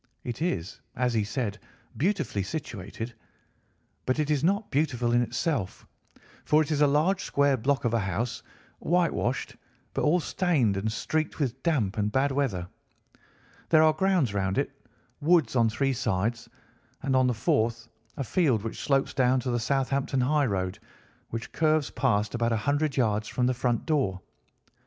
It is, as he said, beautifully situated, but it is not beautiful in itself, for it is a large square block of a house, whitewashed, but all stained and streaked with damp and bad weather. There are grounds round it, woods on three sides, and on the fourth a field which slopes down to the Southampton highroad, which curves past about a hundred yards from the front door.